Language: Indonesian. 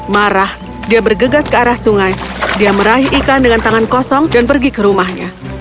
marah dia bergegas ke arah sungai dia meraih ikan dengan tangan kosong dan pergi ke rumahnya